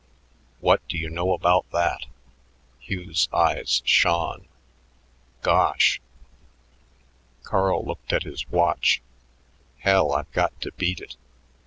What do you know about that?" Hugh's eyes shone. "Gosh!" Carl looked at his watch. "Hell, I've got to beat it."